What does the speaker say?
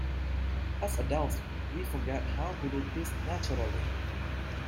As adults we forget how to do this naturally.